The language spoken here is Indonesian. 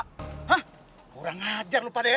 kurang ajar lu pada ya